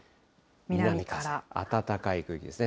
南から暖かい空気ですね。